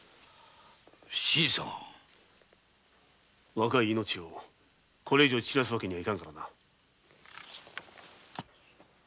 若い命をこれ以上散らせるわけにはいかんからな。